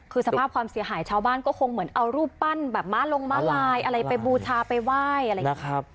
คือสภาพความเสียหายชาวบ้านก็คงเหมือนเอารูปปั้นแบบม้าลงม้าลายอะไรไปบูชาไปไหว้อะไรอย่างนี้ครับ